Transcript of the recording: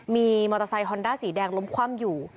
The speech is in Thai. มีมอเตอร์ไซคอนด้าสีแดงล้มคว่ำอยู่